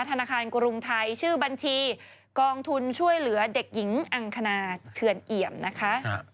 ธนาคารกรุงไทยชื่อบัญชีกองทุนช่วยเหลือเด็กหญิงอังคณาเถื่อนเอี่ยมนะคะ